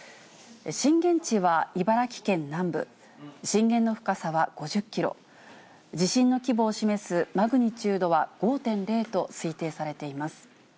震源地は茨城県南部、震源の深さは５０キロ、地震の規模を示すマグニチュードは５．０と推定されています。